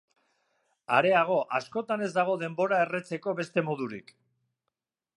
Areago, askotan ez dago denbora erretzeko beste modurik.